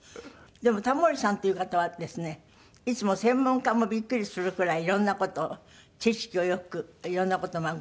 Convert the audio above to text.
でもタモリさんっていう方はですねいつも専門家もびっくりするくらい色んな事を知識をよく色んな事まあご存じでね。